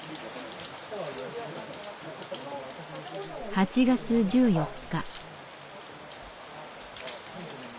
８月１４日。